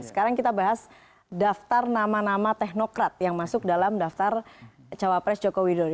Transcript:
sekarang kita bahas daftar nama nama teknokrat yang masuk dalam daftar cawapres joko widodo